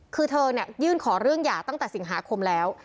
คือเธอเนี่ยยื่นขอเรื่องหย่าตั้งแต่สิงหาคมแล้ว